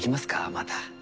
また。